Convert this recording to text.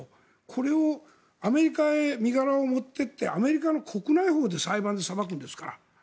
それをアメリカに身柄を持っていってアメリカの国内法で裁判で裁くんですから。